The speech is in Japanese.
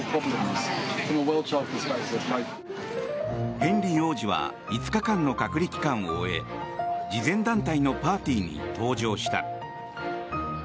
ヘンリー王子は５日間の隔離期間を終え慈善団体のパーティーに登場した。